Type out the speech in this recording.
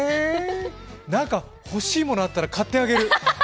何か欲しいものあったら買ってあげる。